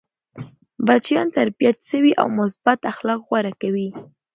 بچيان تربیت سوي او مثبت اخلاق غوره کوي.